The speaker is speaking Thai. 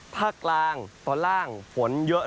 ภาคกลางตอนล่างฝนเยอะ